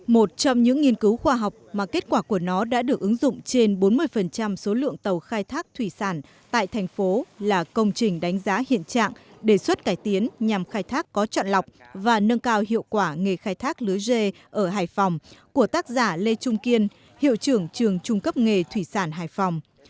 một trong những nghiên cứu khoa học mà kết quả của nó đã được ứng dụng trên bốn mươi số lượng tàu khai thác thủy sản tại thành phố là công trình đánh giá hiện trạng đề xuất cải tiến nhằm khai thác có trọn lọc và nâng cao hiệu quả nghề khai thác lưới dê ở hải phòng của tác giả lê trung kiên hiệu trưởng trường trung cấp nghề thủy sản hải phòng